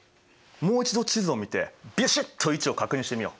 もう一度地図を見てビシッと位置を確認してみよう。